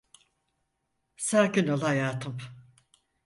Sakin ol hayatım.